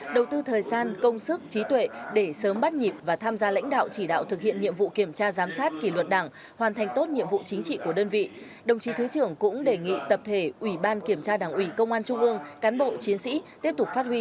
đầu tư thời gian công sức trí tuệ để sớm bắt nhịp và tham gia lãnh đạo chỉ đạo thực hiện nhiệm vụ kiểm tra giám sát kỷ luật đảng hoàn thành tốt nhiệm vụ chính trị của đơn vị